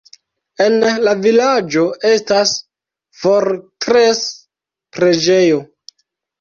En la vilaĝo estas fortres-preĝejo.